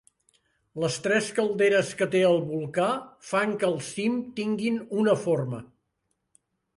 Les tres calderes que té el volcà fan que el cim tinguin una forma.